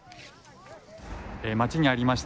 街にありました